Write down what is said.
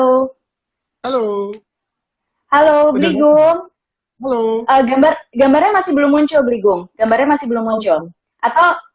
halo halo halo bli agung gambarnya masih belum muncul bli agung gambarnya masih belum muncul atau